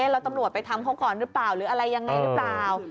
แล้วตำรวจไปทำเขาก่อนหรือเปล่าหรืออะไรยังไงหรือเปล่า